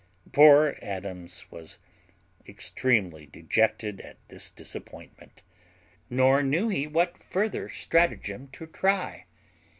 Poor Adams was extremely dejected at this disappointment, nor knew he what further stratagem to try.